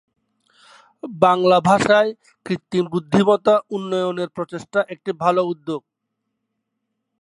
বলকে বাঁক খাওয়াতে থাকেন ও চারদিকে ফিল্ডার দিয়ে আবদ্ধ করে রাখেন।